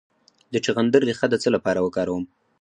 د چغندر ریښه د څه لپاره وکاروم؟